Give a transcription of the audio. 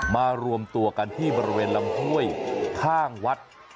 มารวมตัวกันที่บริเวณลำห้วยข้างวัด